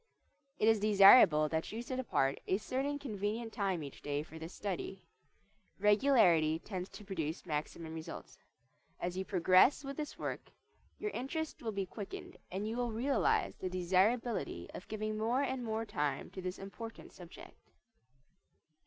It is desirable that you set apart a certain convenient time each day for this study. Regularity tends to produce maximum results. As you progress with this work your interest will be quickened and you will realize the desirability of giving more and more time to this important subject.